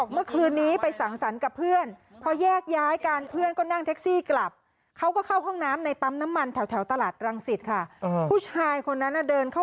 เมื่อกี้มึงถามว่าอะไรนะ